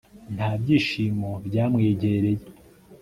nta byishimo byamwegereye